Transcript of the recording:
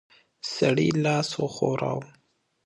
سړي لاس وښوراوه.